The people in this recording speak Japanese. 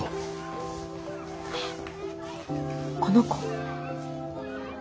この子。